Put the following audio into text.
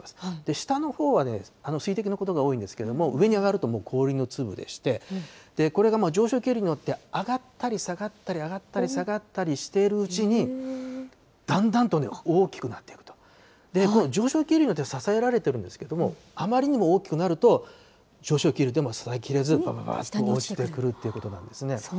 下のほうは水滴のことが多いんですけど、上に上がるともう氷の粒でして、これが上昇気流に乗って上がったり下がったり、上がったり下がったりしているうちに、だんだんと大きくなっていくと、この上昇気流で支えられているんですけど、あまりにも大きくなると、上昇気流でも支えきれずばばばと下に落ちてくるということなんですね。